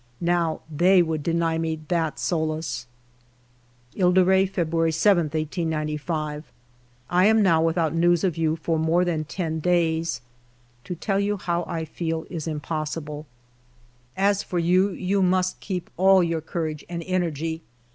Now they would deny me that solace !"*« Ile de Re, February 7, 1895. "I am now without news of you for more than ten days. To tell you how I feel is im possible. ••••••••• "As for you, you must keep all your courage and energy.